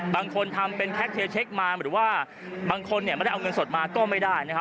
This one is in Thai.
บางคนทำเป็นแคคเทียลเช็คมาหรือว่าบางคนไม่ได้เอาเงินสดมาก็ไม่ได้นะครับ